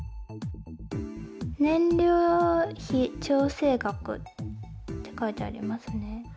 燃料費調整額って書いてありますね。